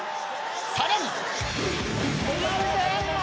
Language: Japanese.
さらに。